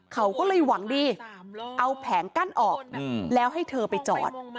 เขาก็เลยหวังดีเอาแผงกั้นออกแล้วให้เธอไปจอด